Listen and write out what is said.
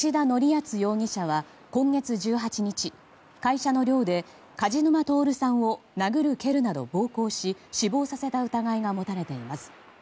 厚容疑者は今月１８日会社の寮で梶沼徹さんを殴る蹴るなど暴行し死亡させた疑いが持たれています。